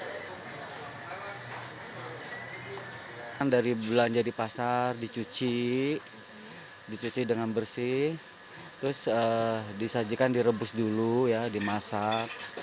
hai kan dari belanja di pasar dicuci dicuci dengan bersih terus disajikan direbus dulu ya dimasak